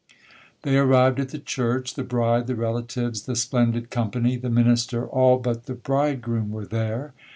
They arrived at the church,—the bride, the relatives, the splendid company, the minister—all but the bridegroom, were there.